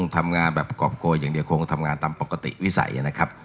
ทำงานแบบกรอบโกยอย่างเดียวคงทำงานตามปกติวิสัยนะครับ